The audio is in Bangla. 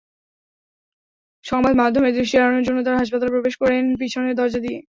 সংবাদমাধ্যমের দৃষ্টি এড়ানোর জন্য তাঁরা হাসপাতালে প্রবেশ করেন পেছনের দরজা দিয়ে।